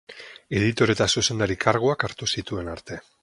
Editore eta zuzendari karguak hartu zituen arte.